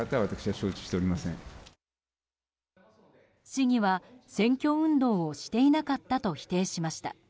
市議は、選挙運動をしていなかったと否定しました。